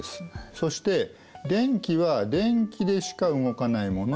そして電気は電気でしか動かないものに使う。